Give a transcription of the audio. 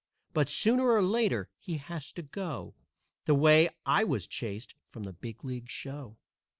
But sooner or later he has to go The way I was chased from the big league show.